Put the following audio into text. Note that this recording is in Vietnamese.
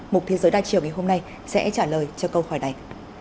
mục thế giới đa chiều ngày hôm nay sẽ trả lời cho câu hỏi này